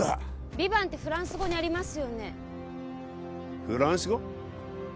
ヴィヴァンってフランス語にありますよねフランス語？